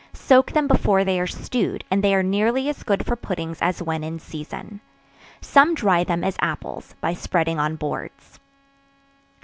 Soak them before they are stewed, and they are nearly as good for puddings as when in season. Some dry them, as apples, by spreading on boards.